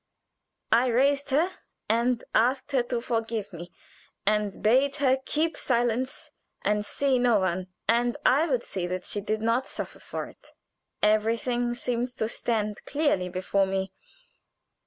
I raised her, and asked her to forgive me, and bade her keep silence and see no one, and I would see that she did not suffer for it. "Everything seemed to stand clearly before me.